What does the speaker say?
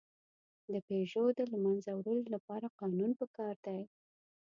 د پيژو د له منځه وړلو لپاره قانون پکار دی.